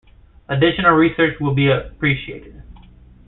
Additional research would be appreciated.